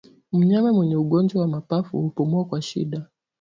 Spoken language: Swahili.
Mnyama mwenye ugonjwa wa mapafu hupumua kwa shida